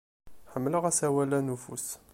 Ḥemmleɣ asawal-a n ufus.